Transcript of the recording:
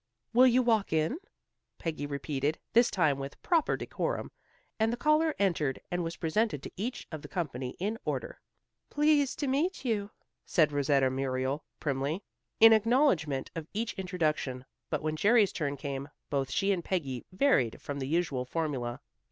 "Will you walk in?" Peggy repeated, this time with proper decorum, and the caller entered and was presented to each of the company in order. "Pleased to meet you," said Rosetta Muriel, primly, in acknowledgment of each introduction, but when Jerry's turn came, both she and Peggy varied from the usual formula.